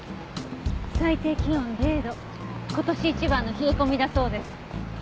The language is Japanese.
最低気温０度今年一番の冷え込みだそうです。